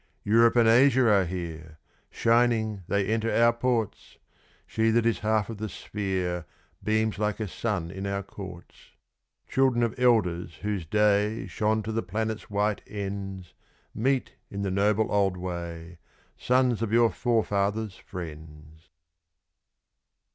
Europe and Asia are here Shining they enter our ports! She that is half of the sphere Beams like a sun in our courts. Children of elders whose day Shone to the planet's white ends, Meet, in the noble old way, Sons of your forefather's friends.